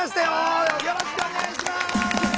よろしくお願いします。